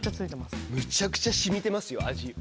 むちゃくちゃ染みてますよ味。